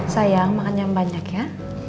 sayang makan yang banyak ya